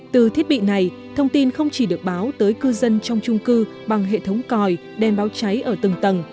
từ thiết bị này thông tin không chỉ được báo tới cư dân trong trung cư bằng hệ thống còi đèn báo cháy ở từng tầng